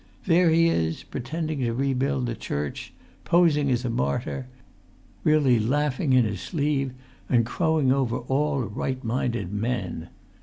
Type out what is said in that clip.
There he is—pretending to rebuild the church—posing as a martyr—really laughing in his sleeve and crowing over all right minded men.